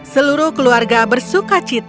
seluruh keluarga bersuka cita